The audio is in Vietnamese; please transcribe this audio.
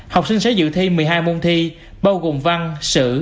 học sinh sẽ dự thi một mươi hai môn thi bao gồm văn sự